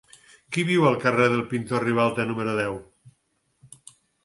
Qui viu al carrer del Pintor Ribalta número deu?